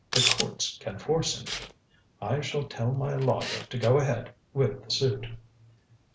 The courts can force him to. I shall tell my lawyer to go ahead with the suit."